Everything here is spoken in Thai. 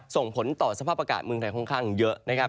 ส่งผลต่อสภาพอากาศเมืองไทยค่อนข้างเยอะนะครับ